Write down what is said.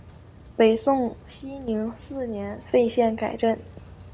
北宋熙宁四年废县改镇。